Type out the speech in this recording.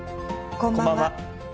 こんばんは。